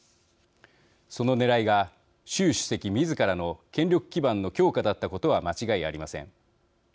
そのねらいが習主席みずからの権力基盤の強化だったことは間違いありません。